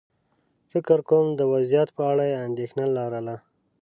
فکر کووم د وضعيت په اړه یې اندېښنه لرله.